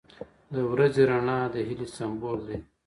• د ورځې رڼا د هیلې سمبول دی.